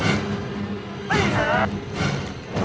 นี่ไม่ใช่ลูกกู